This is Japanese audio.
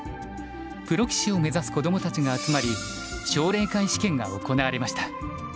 プロ棋士を目指す子供たちが集まり奨励会試験が行われました。